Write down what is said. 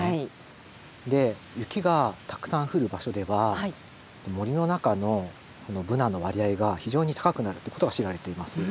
雪がたくさん降る場所では森の中のブナの割合が非常に高くなるってことが知られています。